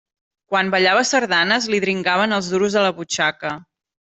Quan ballava sardanes li dringaven els duros a la butxaca.